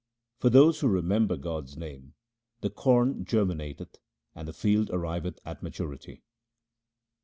For those who remember God's name the corn germina teth and the field arriveth at maturity.